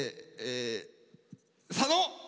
佐野！